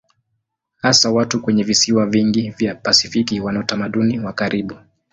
Hasa watu kwenye visiwa vingi vya Pasifiki wana utamaduni wa karibu.